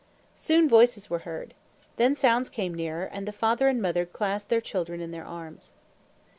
Soon voices were heard. The sounds came nearer, and the father and mother clasped their children in their arms.